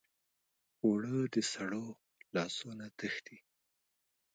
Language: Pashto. اوړه د سړو لاسو نه تښتي